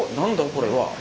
これは。